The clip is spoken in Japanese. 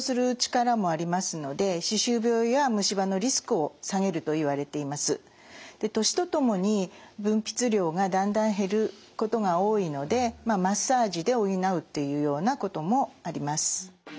抗菌作用もありますし年とともに分泌量がだんだん減ることが多いのでマッサージで補うというようなこともあります。